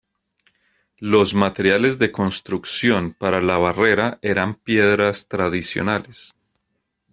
Los materiales de construcción para la barrera eran piedras tradicionales.